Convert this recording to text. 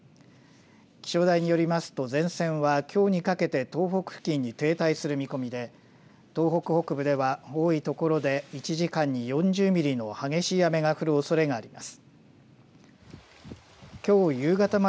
気象台によりますと前線はきょうにかけて東北付近に停滞する見込みで東北北部では多い所で１時間に４０ミリの激しい雨が降るおそれがあります。